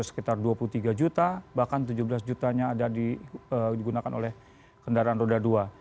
sekitar dua puluh tiga juta bahkan tujuh belas jutanya ada digunakan oleh kendaraan roda dua